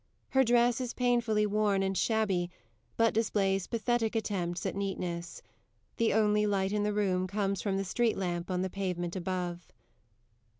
Her dress is painfully worn and shabby, but displays pathetic attempts at neatness. The only light in the room comes from the street lamp on the pavement above.